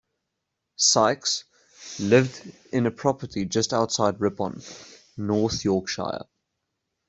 Sykes lived in a property just outside Ripon, North Yorkshire.